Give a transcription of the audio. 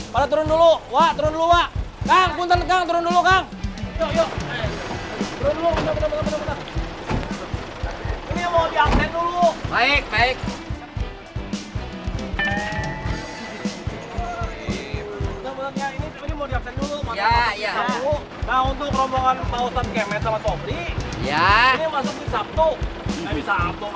pada turun dulu wa turun luwa kang pun tergang turun dulu kang yuk dulu ini mau diakses dulu